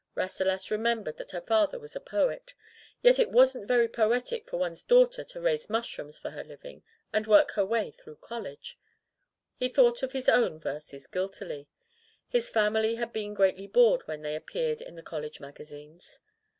Rasselas remem bered that her father was a poet. Yet it wasn't very poetic for one's daughter to raise mushrooms for her living and work her way through college. He thought of his own verses guiltily. His family had been greatly bored when they appeared in the college magazines.